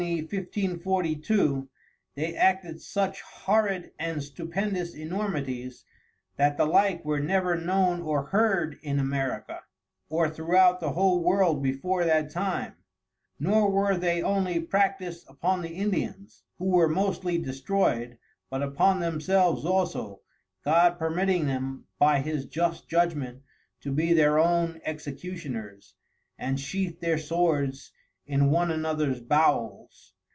_ 1542, they acted such Horrid and Stupendous Enormities, that the like were never known or heard in America, or throughout the whole World before that time: Nor were they only practised upon the Indians, who were mostly destroy'd, but upon themselves also, God permitting them by his just Judgement to be their own Executioners, and sheath their Swords in one anothers Bowels.